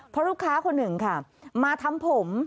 เพราะลูกค้าคนหนึ่งค่ะมาทำผม